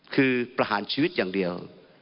คือประหารชีวิตอย่างเดียว